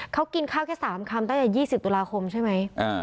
เขากินข้าวแค่๓คำตั้งแต่๒๐ตุลาคมใช่ไหม